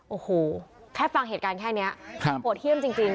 โอ้โหแค่ฟังเหตุการณ์แค่นี้โหดเยี่ยมจริง